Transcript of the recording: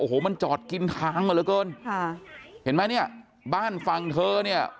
โอ้โหมันจอดกินทางมาเหลือเกินค่ะเห็นไหมเนี่ยบ้านฝั่งเธอเนี่ย